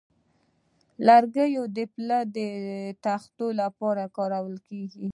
لرګی د پله د تختو لپاره کارېږي.